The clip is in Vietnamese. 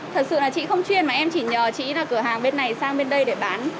thật sự là chị không chuyên mà em chỉ nhờ chị là cửa hàng bên này sang bên đây để bán